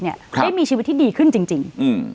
ได้มีชีวิตที่ดีขึ้นจริง